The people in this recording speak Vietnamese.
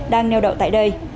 đang neo đậu tại đây